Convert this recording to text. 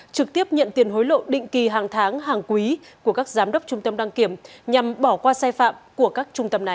trực tiếp nhận tiền hối lộ định kỳ hàng tháng hàng quý của các giám đốc trung tâm đăng kiểm nhằm bỏ qua sai phạm của các trung tâm này